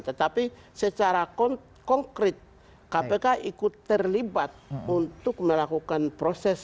tetapi secara konkret kpk ikut terlibat untuk melakukan proses